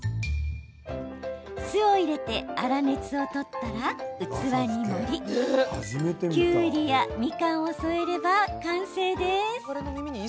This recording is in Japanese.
酢を入れて粗熱を取ったら器に盛り、きゅうりやみかんを添えれば完成です。